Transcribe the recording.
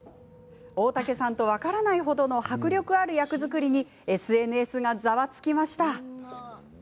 大竹さんと分からない程の迫力ある役作りにＳＮＳがざわつきました。